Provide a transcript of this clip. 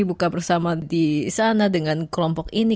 buka bersama di sana dengan kelompok ini